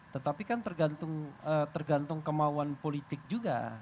tetapi kan tergantung kemauan politik juga